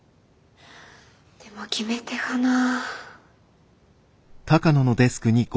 でも決め手がなあ。